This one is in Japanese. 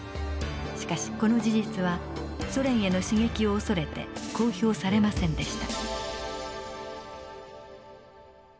しかしこの事実はソ連への刺激を恐れて公表されませんでした。